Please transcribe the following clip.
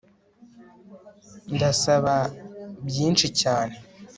Ndasaba byinshi cyane